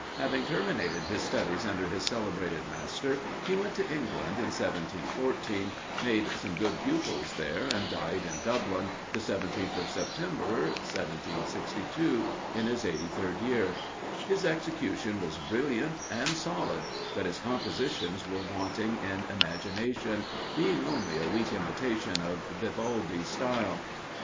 Having terminated his studies under this celebrated master, he went to England in 1714, made some good pupils there, and died in Dublin, the 17th of September, 1762, in his eighty third year. His execution was brilliant and solid, but his compositions were wanting in imagination, being only a weak imitation of Vivaldi's style.